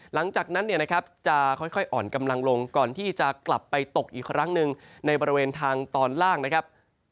หลังจากนั้นเนี่ยนะครับจะค่อยอ่อนกำลังลงก่อนที่จะกลับไปตกอีกครั้งหนึ่งในบริเวณทางตอนล่างนะครับ